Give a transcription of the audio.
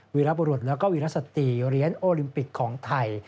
วิรับรวดและวิรัติสติเรียนโอลิมปิกของไทย